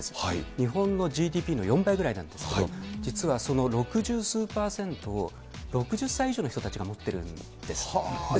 日本のＧＤＰの４倍ぐらいなんですけれども、実はその六十数％を６０歳以上の人たちが持ってるんです。